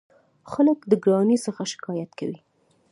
خلک د ګرانۍ څخه شکایت کوي.